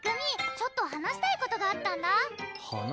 ちょっと話したいことがあったんだ話？